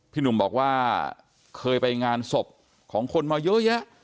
พี่หนุ่มบอกว่าเคยไปงานศพของคนมาเยอะแยะ